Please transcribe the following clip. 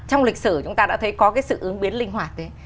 trong lịch sử chúng ta đã thấy có cái sự ứng biến linh hoạt đấy